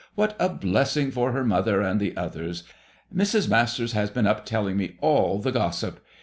What a blessing for her mother and the others! Mrs. Masters has been up telling me all the gossip.